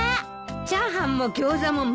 チャーハンもギョーザも満点ね！